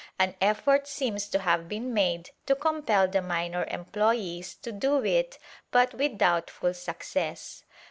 An effort seems to have been made to compel the minor employees to do it but with doubtful success.